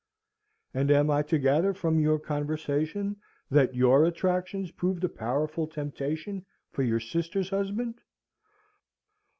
"And am I to gather from your conversation that your attractions proved a powerful temptation for your sister's husband?"